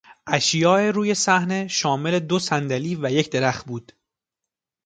اشیا روی صحنه شامل دو صندلی و یک درخت بود.